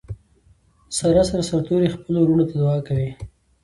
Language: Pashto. ساره سر سرتوروي خپلو ورڼو ته دعاکوي.